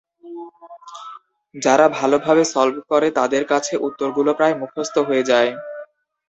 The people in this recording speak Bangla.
যারা ভালো ভাবে সলভ করে তাদের কাছে উত্তরগুলো প্রায় মুখস্ত হয়ে যায়।